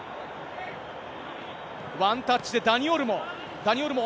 ワンタッチでダニ・オルモ。